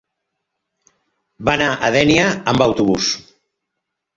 Va anar a Dénia amb autobús.